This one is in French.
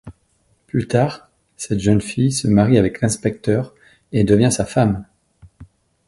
Plus tard, cette jeune fille se marie avec l'inspecteur et devient sa femme.